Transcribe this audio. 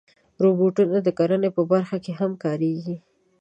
روبوټونه د کرنې په برخه کې هم کارېږي.